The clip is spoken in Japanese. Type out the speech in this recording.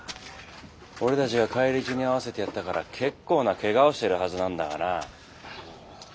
俺たちが返り討ちに遭わせてやったから結構な怪我をしてるはずなんだがな。